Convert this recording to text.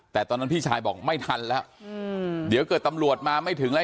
แต่ตอนนั้นพี่ชายบอกไม่ทันแล้วเดี๋ยวเกิดตำรวจมาไม่ถึงแล้ว